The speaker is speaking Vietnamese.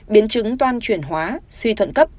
biến chứng toan chuyển hóa suy thuận cấp